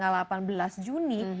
tanggal delapan belas juni